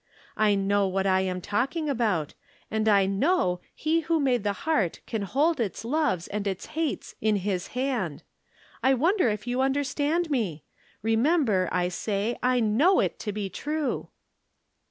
I know what I am talking about, and I know he who made the heart can hold its loves and its hates in his hand. I wonder if j'ou understand me ? Remember, I say, I know it to be true."